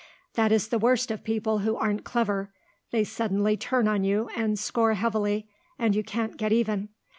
That is the worst of people who aren't clever; they suddenly turn on you and score heavily, and you can't get even.